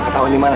kita puket ya